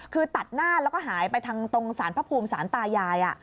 คือตัดหน้าแล้วก็หายไปทางตรงสารพระภูมิสารตายาย